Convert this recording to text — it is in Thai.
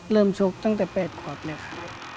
เริ่มชกตั้งแต่๘ขวบเลยค่ะ